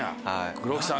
黒木さん